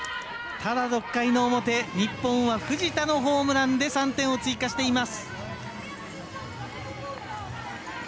ただ、６回の表日本は藤田のホームランで３点を追加しています。